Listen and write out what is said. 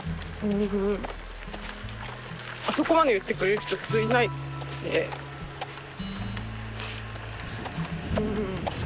あそこまで言ってくれる人普通いないんで。